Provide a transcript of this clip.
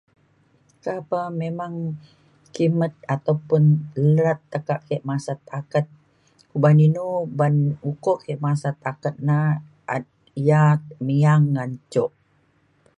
ka pa memang kimet ataupun leret tekak ke masat taket uban inu uban ukok ke masat taket na ia’ niang ngan jok